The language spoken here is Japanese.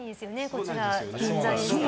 こちら、銀座では。